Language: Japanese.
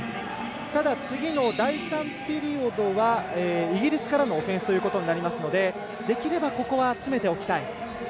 ただ、次の第３ピリオドはイギリスからのオフェンスということになるのでできれば、ここは詰めておきたい。